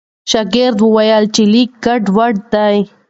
شاګرد وویل چې لیک ګډوډ دی.